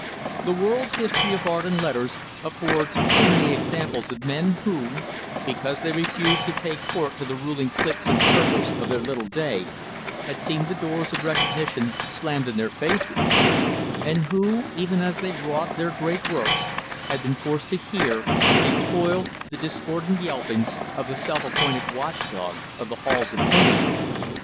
The world's history of art and letters affords too many examples of men who, because they refused to pay court to the ruling cliques and circles of their little day, had seen the doors of recognition slammed in their faces; and who, even as they wrought their great works, had been forced to hear, as they toiled, the discordant yelpings of the self appointed watchdogs of the halls of fame.